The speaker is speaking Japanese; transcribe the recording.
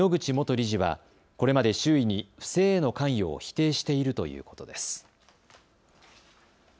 関係者によりますと井ノ口元理事はこれまで周囲に不正への関与を否定しているということです。